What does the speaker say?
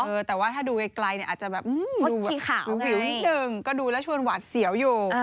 เออแต่ว่าถ้าดูไกลเนี่ยอาจจะแบบดูแบบวิวนิดนึงก็ดูแล้วชวนหวาดเสียวอยู่